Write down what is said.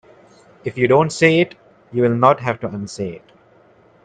If you don't say it you will not have to unsay it.